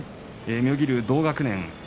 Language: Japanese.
妙義龍は同学年。